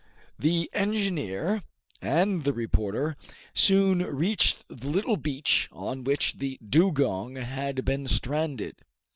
The engineer and the reporter soon reached the little beach on which the dugong had been stranded.